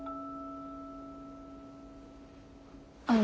あの。